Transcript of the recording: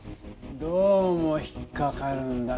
どうも引っかかるんだ。